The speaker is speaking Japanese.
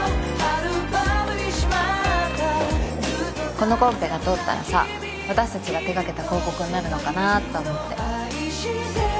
このコンペが通ったらさ私たちが手掛けた広告になるのかなと思って。